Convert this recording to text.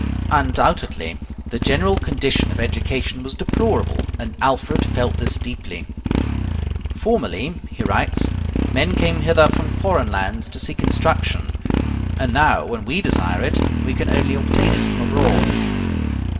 Undoubtedly the general condition of education was deplorable, and Alfred felt this deeply. "Formerly," he writes, "men came hither from foreign lands to seek instruction, and now when we desire it, we can only obtain it from abroad."